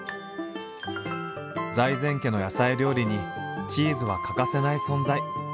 財前家の野菜料理にチーズは欠かせない存在。